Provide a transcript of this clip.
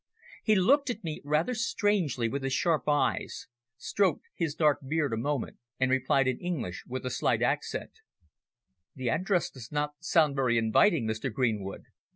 He looked at me rather strangely with his sharp eyes, stroked his dark beard a moment, and replied in English, with a slight accent "The address does not sound very inviting, Mr. Greenwood.